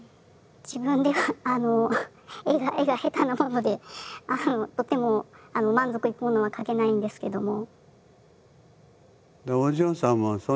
自分では絵が下手なものでとても満足いくものは描けないんですけども。